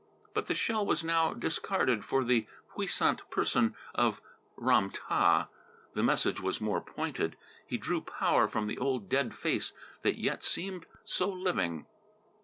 But the shell was now discarded for the puissant person of Ram tah. The message was more pointed. He drew power from the old dead face that yet seemed so living.